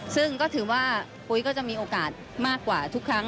ซึ่งก็ถือว่าปุ๊ยก็จะมีโอกาสมากกว่าทุกครั้ง